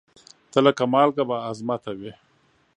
ته لکه مالکه بااعظمته وې